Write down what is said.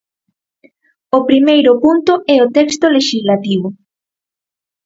O primeiro punto é o texto lexislativo.